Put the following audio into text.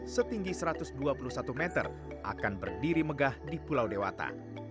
pembangunan gwk di indonesia setinggi satu ratus dua puluh satu meter akan berdiri megah di pulau dewata